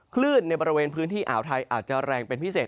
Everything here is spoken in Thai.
คลื่นในบริเวณพื้นที่อ่าวไทยอาจจะแรงเป็นพิเศษ